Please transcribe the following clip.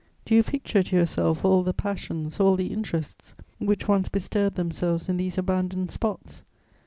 Do you picture to yourself all the passions, all the interests which once bestirred themselves in these abandoned spots?